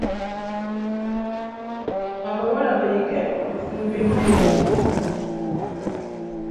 Abawala bayige okufumba emmere.